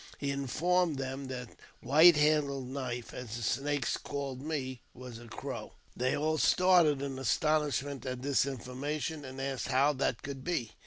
He informed them that White handled Knife {as the Snakes called me) was a Crow. They all started in astonishment at this information, and asked how that could be.